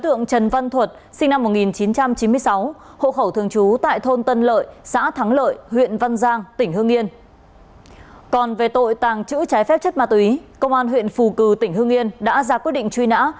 tại phép chất ma túy công an huyện phù cử tỉnh hương yên đã ra quyết định truy nã